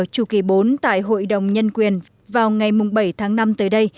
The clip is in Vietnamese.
chủ kỳ bốn tại hội đồng nhân quyền vào ngày bảy tháng năm tới đây